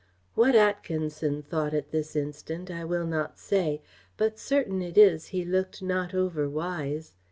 What Atkinson thought at this instant, I will not say; but certain it is he looked not over wise.